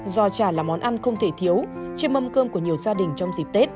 do chả là món ăn không thể thiếu trên mâm cơm của nhiều gia đình trong dịp tết